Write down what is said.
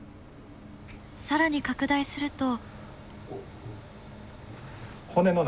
更に拡大すると。